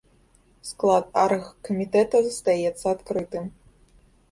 Склад аргкамітэта застаецца адкрытым.